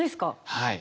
はい。